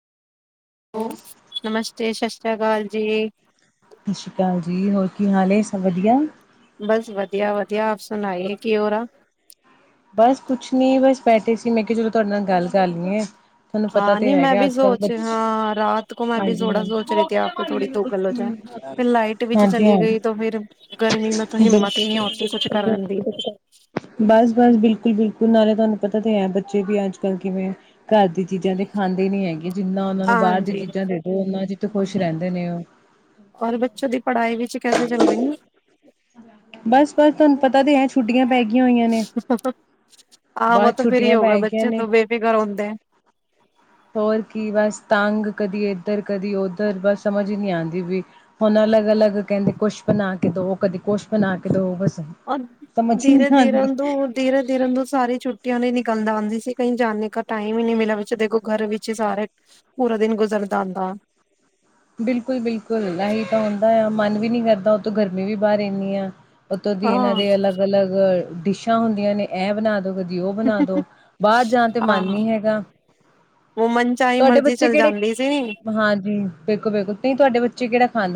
ਸਤਿ ਨਮਸਤੇ, ਸਤਿ ਸ਼੍ਰੀ ਅਕਾਲ ਜੀ। ਸਤਿ ਸ਼੍ਰੀ ਅਕਾਲ ਜੀ, ਹੋਰ ਕੀ ਹਾਲ ਹੈ? ਸਭ ਵਧੀਆ। ਬਸ ਵਧੀਆ, ਵਧੀਆ, ਆਪ ਸੁਣਾਈਏ, ਕੀ ਹੋ ਰਹਿਆ? ਬਸ ਕੁਛ ਨੀ ਬਸ ਬੈਠੇ ਸੀ, ਮੈਂ ਕਿਹਾ ਚਲੋ ਤੁਹਾਡੇ ਨਾਲ ਗੱਲ ਕਰ ਲਈਏ। ਤੁਹਾਨੂੰ ਪਤਾ ਹਾਂ ਤੇ ਨਹੀਂ ਮੈਂ ਹੈਗਾ ਵੀ ਅੱਜ ਕੱਲ੍ਹ ਸੋਚ ਬੱਚੇ ਹਾਂ ਰਾਤ ਕੋ ਮੈਂ ਵੀ ਹਾਂਜੀ ਥੋੜਾ ਹਾਂਜੀ ਸੋਚ ਰਹੀ, ਆਪ ਤੇ ਥੋੜੀ ਦੁ ਗਲ ਹੋ ਜਾਏ। ਫਿਰ ਲਾਈਟ ਵਿੱਚ ਹਾਂਜੀ ਚਲੀ ਹਾਂ ਗਈ, ਤਾਂ ਫਿਰ ਗਰਮੀ ਮ ਹਿੰਮਤ ਹੀ ਨਹੀਂ ਬਿਲਕੁਲ ਹੋਤੀ ਕੁਛ ਕਰਨ ਦੀ। ਬਸ, ਬਸ ਬਿਲਕੁਲ, ਬਿਲਕੁਲ ਨਾਲੇ ਤੁਹਾਨੂੰ ਪਤਾ ਤੇ ਹੈ ਬੱਚੇ ਵੀ ਅੱਜ ਕੱਲ੍ਹ ਕਿਵੇਂ ਘਰ ਦੀਆਂ ਚੀਜ਼ਾਂ ਤੇ ਖਾਂਦੇ ਨੀ ਹੈਗੇ। ਜਿੰਨਾ ਉਹਨਾਂ ਨੂੰ ਬਾਹਰ ਦੀ ਹਾਂਜੀ, ਚੀਜ਼ਾਂ ਦੇ ਦੋ, ਉਹਨਾਂ ਚ' ਤੇ ਖੁਸ਼ ਰਹਿੰਦੇ ਨੇ ਉਹ। ਔਰ ਬੱਚੋਂ ਦੀ ਪੜ੍ਹਾਈ ਵਿੱਚ ਕੈਸੇ ਚੱਲ ਰਹੀ? ਬਸ ਬਸ ਤੁਹਾਨੂੰ ਪਤਾ ਤੇ ਹੈ, ਛੁੱਟੀਆਂ ਪੈ ਗਈਆਂ ਹੋਈਆਂ ਨੇ। ਆਹ ਵ ਬਸ ਫਿਰ ਛੁੱਟੀਆਂ ਹੋਗਾ ਪੈ ਗਈਆਂ ਬੱਚੇ ਨੇ ਤੋਂ ਬੇਫਿਕਰ ਹੁੰਦੇ। ਹੋਰ ਕੀ ਬਸ ਤੰਗ, ਕਦੀ ਏਧਰ, ਕਦੀ ਉਧਰ ਬਸ ਸਮਝ ਹੀ ਨਹੀਂ ਆਉਂਦੀ ਵੀ। ਹੁਣ ਅਲੱਗ- ਅਲੱਗ ਕਹਿੰਦੇ, ਕੁਛ ਬਣਾ ਕੇ ਦੋ, ਕਦੇ ਕੁਛ ਬਣਾ ਕੇ ਦੋ ਬਸ। ਉਹ ਸਮਝ ਹੀ ਨਹੀਂ ਧੀਰੇ, ਧੀਰੇ ਆਉਂਦੀ ਦੋ ਤੇਰਾਂ ਤੇਰਨ ਤੋਂ ਸਾਰੀ ਛੁੱਟੀਆਂ ਨ ਨਿਕਲਦਾ ਆਉਂਦੀ ਸੀ, ਕਈ ਜਾਨਣੇ ਕ ਟਾਈਮ ਹੀ ਨਹੀਂ ਮਿਲਿਆ, ਵਿੱਚ ਦੇਖੋ ਘਰ ਵਿੱਚ ਸਾਰੇ ਪੂਰਾ ਦਿਨ ਗੁਜ਼ਰਦਾ ਆਦਾ। ਬਿਲਕੁਲ-ਬਿਲਕੁਲ ਇਹੀ ਤਾਂ ਹੁੰਦਾ ਆ ਮਨ ਵੀ ਨਹੀਂ ਕਰਦਾ, ਉਹ ਤੋਂੋਂ ਗਰਮੀ ਵੀ ਬਾਹਰ ਐਨੀ ਆ। ਉੱਤੋਂ ਦੀ ਇਹਨਾਂ ਹਾਂ, ਦੇ ਅਲੱਗ-ਅਲੱਗ ਡਿਸ਼ਾਂ ਹੁੰਦੀਆਂ ਨੇ, ਇਹ ਬਣਾ ਦੋ ਉਹ ਬਣਾ ਦੋ, ਬਾਹਰ ਜਾਣ ਤੇ ਮਨ ਹਾਂ, ਨੀ ਹੈਗਾ। ਉਹ ਮਨ ਚਾਹੀ ਤੁਹਾਡੇ ਮਰਜ਼ੀ ਬੱਚੇ ਚੱਲ ਕਿਹੜੇ ਜਾਂਦੀ ਸੀ। ਹਾਂਜੀ ਬੇਕੋ ਬੇਕੁੋ, ਨਹੀਂ ਤੁਹਾਡੇ ਬੱਚੇ ਕਿਹੜਾ ਖਾਂਦਾ